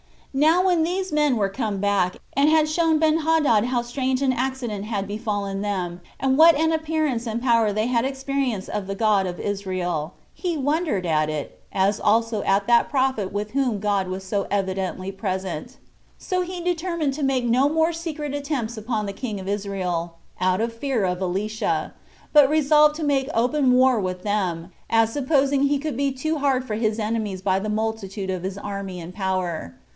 4. Now when these men were come back, and had showed Benhadad how strange an accident had befallen them, and what an appearance and power they had experienced of the God of Israel, he wondered at it, as also at that prophet with whom God was so evidently present; so he determined to make no more secret attempts upon the king of Israel, out of fear of Elisha, but resolved to make open war with them, as supposing he could be too hard for his enemies by the multitude of his army and power.